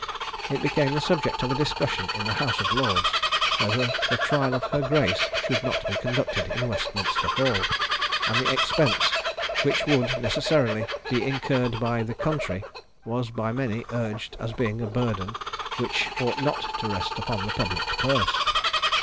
It became the subject of a discussion in the House of Lords whether the trial of her grace should not be conducted in Westminster Hall; and the expense which would necessarily be incurred by the country was by many urged as being a burden which ought not to rest upon the public purse.